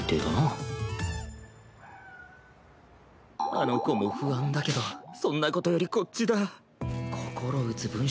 あの子も不安だけどそんなことよりこっちだ。